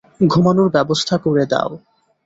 ঘুমানোর ব্যবস্থা করে দাও।